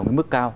một cái mức cao